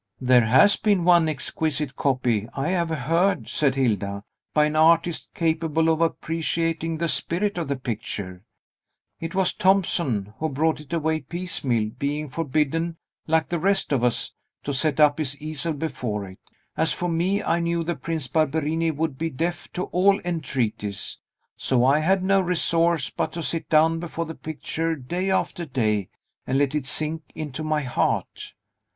"There has been one exquisite copy, I have heard," said Hilda, "by an artist capable of appreciating the spirit of the picture. It was Thompson, who brought it away piecemeal, being forbidden (like the rest of us) to set up his easel before it. As for me, I knew the Prince Barberini would be deaf to all entreaties; so I had no resource but to sit down before the picture, day after day, and let it sink into my heart.